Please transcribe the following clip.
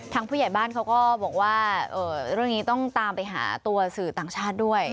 ผู้ใหญ่บ้านเขาก็บอกว่าเรื่องนี้ต้องตามไปหาตัวสื่อต่างชาติด้วย